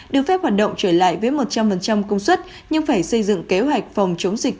được phép hoạt động trở lại với một trăm linh công suất nhưng phải xây dựng kế hoạch phòng chống dịch